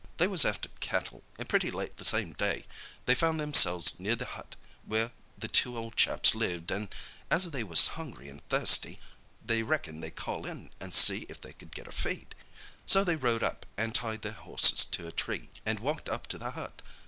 "They was after cattle, and pretty late the same day they found themselves near the hut where the two ol' chaps lived, an' as they was hungry an' thirsty, they reckoned they'd call in an' see if they could get a feed. So they rode up and tied their horses to a tree and walked up to the hut.